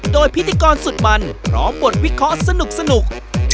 โดยพิธีกรสุดมันพร้อมบทวิเคราะห์สนุก